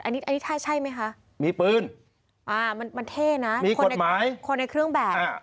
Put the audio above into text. อันนี้ใช่ไหมคะมีปืนมีกฎหมายคนในเครื่องแบบมันเท่นะ